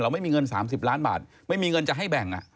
ไม่มีเงิน๓๐ล้านบาทไม่มีเงินจะให้แบ่ง